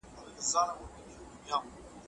که ښځې وینا وکړي نو غږ به نه وي خاموش.